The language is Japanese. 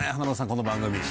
この番組。